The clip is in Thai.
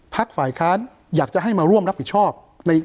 ฝ่ายค้านอยากจะให้มาร่วมรับผิดชอบ